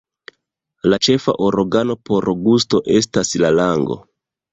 La ĉefa organo por gusto estas la lango.